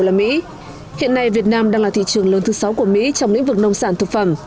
hiện nay việt nam đang là thị trường lớn thứ sáu của mỹ trong lĩnh vực nông sản thực phẩm